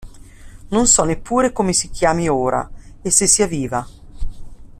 Non so neppure come si chiami ora e se sia viva.